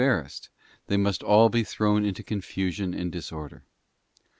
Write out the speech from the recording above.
barrassed, they must all be thrown into confusion and disorder.